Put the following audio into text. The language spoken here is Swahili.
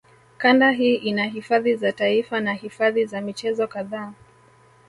Kanda hii ina hifadhi za taifa na hifadhi za michezo kadhaa